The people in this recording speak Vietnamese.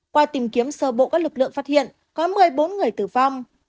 qua tìm kiếm sơ bộ các lực lượng phát hiện có một mươi bốn người tử vong